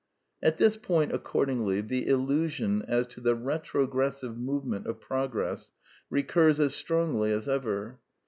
At this point, accordingly, the illusion as to the retrogressive movement of progress recurs as strongly as ever.